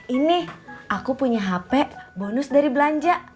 ini aku punya hp bonus dari belanja